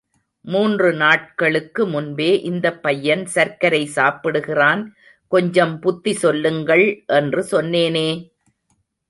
மூன்று நாட்களுக்கு முன்பே, இந்தப் பையன் சர்க்கரை சாப்பிடுகிறான் கொஞ்சம் புத்தி சொல்லுங்கள் என்று சொன்னேனே!